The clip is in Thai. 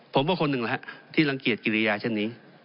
ผมว่าคนนึงละที่รังเกียจกิริยาชนิด